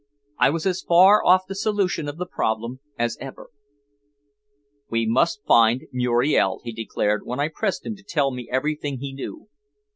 I was as far off the solution of the problem as ever. "We must first find Muriel," he declared, when I pressed him to tell me everything he knew.